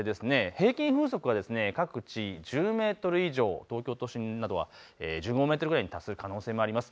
平均風速は各地１０メートル以上、東京都心などは１５メートルに達する可能性もあります。